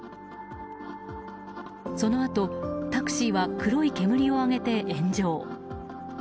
そのあと、タクシーは黒い煙を上げて炎上。